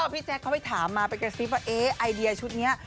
พี่แจ๊คเขาไปถามมาไปกระซิบว่าเอ๊ะไอเดียชุดนี้